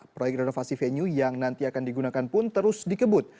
proyek renovasi venue yang nanti akan digunakan pun terus dikebut